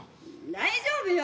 大丈夫よ。